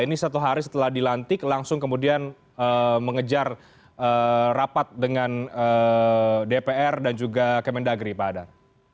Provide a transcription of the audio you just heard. ini satu hari setelah dilantik langsung kemudian mengejar rapat dengan dpr dan juga kemendagri pak hadar